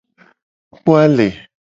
Kpo ale.